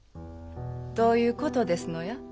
どういうことですのや？